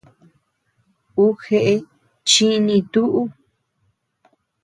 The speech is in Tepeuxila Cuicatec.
Uu jeʼe chiní tuʼu.